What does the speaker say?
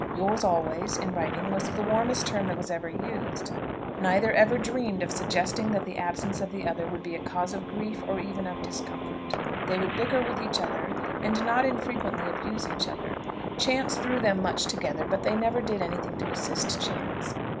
"Yours always," in writing, was the warmest term that was ever used. Neither ever dreamed of suggesting that the absence of the other would be a cause of grief or even of discomfort. They would bicker with each other, and not unfrequently abuse each other. Chance threw them much together, but they never did anything to assist chance.